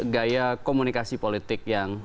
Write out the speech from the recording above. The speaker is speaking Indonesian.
gaya komunikasi politik yang